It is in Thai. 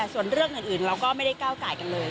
ส่วนเรื่องอื่นเราก็ไม่ได้ก้าวไก่กันเลย